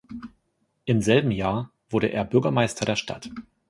Im selben Jahr wurde er Bürgermeister der Stadt.